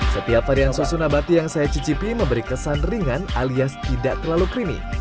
setiap varian susu nabati yang saya cicipi memberi kesan ringan alias tidak terlalu creamy